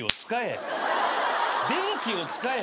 電気を使え。